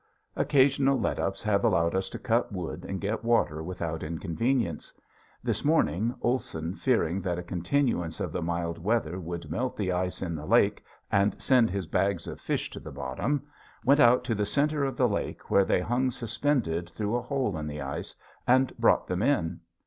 Occasional let ups have allowed us to cut wood and get water without inconvenience. This morning Olson, fearing that a continuance of the mild weather would melt the ice in the lake and send his bags of fish to the bottom, went out to the center of the lake where they hung suspended through a hole in the ice and brought them in.